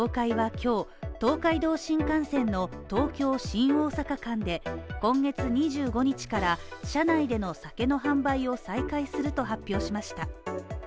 今日、東海道新幹線の東京ー新大阪間で今月２５日から車内での酒の販売を再開すると発表しました。